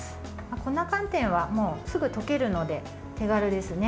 粉寒天はすぐ溶けるので手軽ですね。